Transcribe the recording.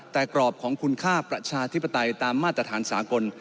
แต่กรอบของคุณค่าประชาธิปไตยตามมาตรฐานสากล